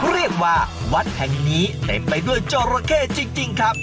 เรียกว่าวัดแห่งนี้เต็มไปด้วยจอราเข้จริงครับ